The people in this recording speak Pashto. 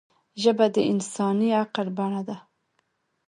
ژبه د انساني عقل بڼه ده